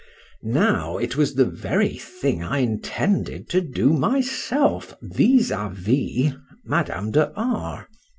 Now it was the very thing I intended to do myself vis à vis Madame de R—.